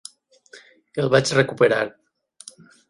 El vaig recuperar.